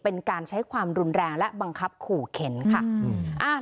เป็นการใช้ความรุนแรงและบังคับขู่เข็นค่ะ